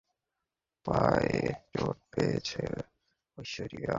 ভক্তরা ইতিমধ্যে জেনে গেছেন, শুটিংয়ের সময় পায়ে চোট পেয়েছেন ঐশ্বরিয়া রাই বচ্চন।